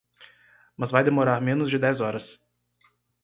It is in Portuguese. Mas vai demorar menos de dez horas.